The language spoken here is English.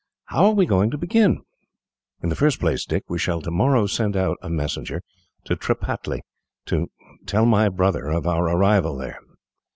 "How are we going to begin?" "In the first place, Dick, we shall tomorrow send out a messenger to Tripataly, to tell my brother of our arrival here."